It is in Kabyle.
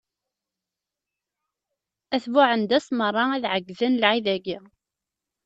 At Buɛendas meṛṛa ad ɛeggden lɛid-agi.